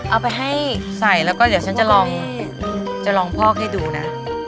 เอาไปให้ใส่แล้วก็เดี๋ยวฉันจะลองจะลองพอกให้ดูนะ